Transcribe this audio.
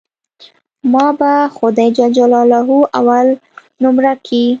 ما به خداى جل جلاله اول نؤمره کي.